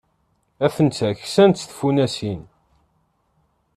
Atent-a ksant tfunasin.